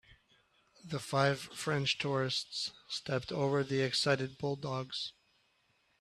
The five French tourists stepped over the excited bulldogs.